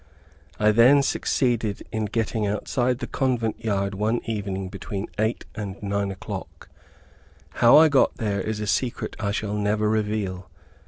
I then, succeeded in getting outside the convent yard one evening between eight and nine o'clock. How I got there, is a secret I shall never reveal.